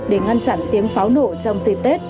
để ngăn chặn tiếng pháo nổ trong dịp tết